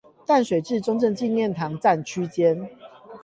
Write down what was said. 淡水至中正紀念堂站區間